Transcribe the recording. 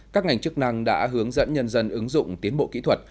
các ngành chức năng đã hướng dẫn nhân dân ứng dụng tiến bộ kỹ thuật